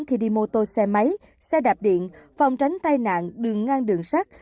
khi đi mô tô xe máy xe đạp điện phòng tránh tai nạn đường ngang đường sắt